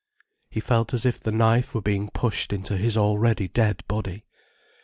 He felt as if as the knife were being pushed into his already dead body.